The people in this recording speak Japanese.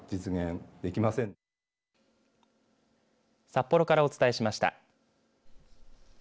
札幌からお伝えしました。